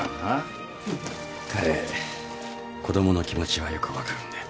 彼子供の気持ちはよく分かるんで。